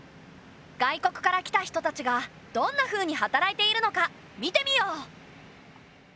外国から来た人たちがどんなふうに働いているのか見てみよう。